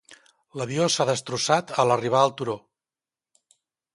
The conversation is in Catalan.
L'avió s'ha destrossat al arribar al turó.